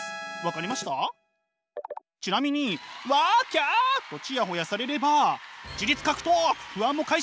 ちなみにワキャとチヤホヤされれば自律獲得不安も解消！